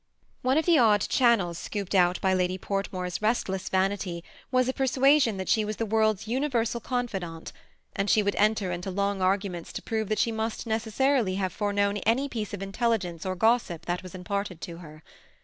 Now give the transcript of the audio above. One of the odd channels scooped out by Ladj Port more's restless vanity was a persuasion that she was the world's uniyersal confidante ; and she would enter into long arguments to prove that she must necessarily have foreknown any piece of intelligence or gossip that was imparted to her.